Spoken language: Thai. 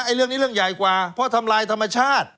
เรื่องนี้เรื่องใหญ่กว่าเพราะทำลายธรรมชาติ